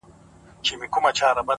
پوه انسان د پوښتنې اهمیت درک کوي’